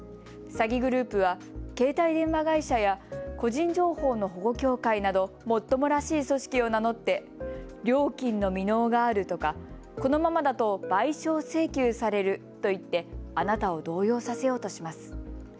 詐欺グループは携帯電話会社や個人情報の保護協会などもっともらしい組織を名乗って料金の未納があるとかこのままだと賠償請求されると言ってあなたを動揺させようとします。